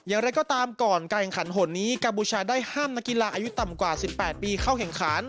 อย่างไรก็ตามก่อนการแข่งขันหนนี้กัมพูชาได้ห้ามนักกีฬาอายุต่ำกว่า๑๘ปีเข้าแข่งขัน